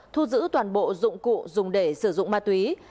thu giữ toàn bộ dụng cụ dùng để sử dụng ma túy